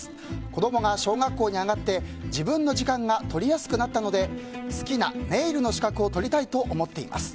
子供が小学校に上がって自分の時間が取りやすくなったので好きなネイルの資格を取りたいと思っています。